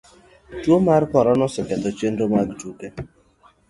tuo mar corona oseketho chenro mag tuke